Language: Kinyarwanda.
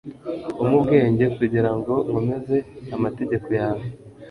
Umpe ubwenge kugira ngo nkomeze amategeko yawe